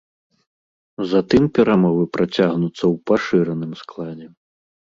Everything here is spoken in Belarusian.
Затым перамовы працягнуцца ў пашыраным складзе.